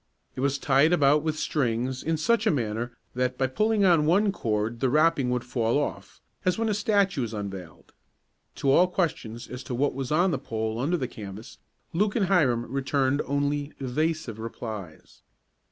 It was tied about with strings in such a manner that, by pulling on one cord the wrapping would fall off, as when a statue is unveiled. To all questions as to what was on the pole under the canvas Luke and Hiram returned only evasive replies.